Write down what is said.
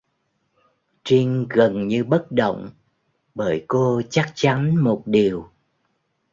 Trinh gần như bất động bởi cô chắc chắn một điều